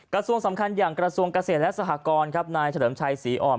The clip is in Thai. กระทรวงสำคัญอย่างกระทรวงเกษตรและสหกรครับนายเฉลิมชัยศรีอ่อน